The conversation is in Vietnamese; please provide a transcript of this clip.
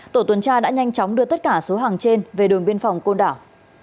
tổ tuần tra đã nhanh chóng đưa tất cả số hàng trên về đồn biên phòng côn đảo